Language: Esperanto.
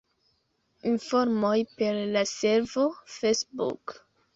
Informoj per la servo Facebook.